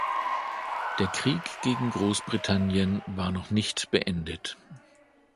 Der Krieg gegen Großbritannien war noch nicht beendet.